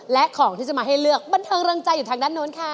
และของที่จะมาให้เลือกบันเทิงรังใจอยู่ทางด้านนู้นค่ะ